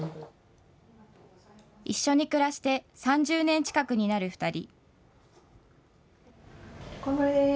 一緒に暮らして３０年近くになる２人。